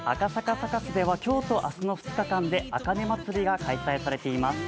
サカスでは今日と明日の２日間で茜まつりが開催されています。